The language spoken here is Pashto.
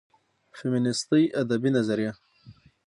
فيمينستى ادبى نظريه